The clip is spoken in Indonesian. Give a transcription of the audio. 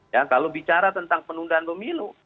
ya kalau bicara tentang penundaan pemilu